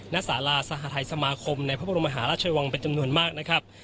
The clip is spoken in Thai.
สาราสหทัยสมาคมในพระบรมหาราชวังเป็นจำนวนมากนะครับ